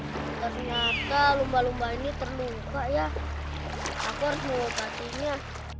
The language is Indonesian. ternyata lumba lumba ini terbuka ya aku harus mengopatinya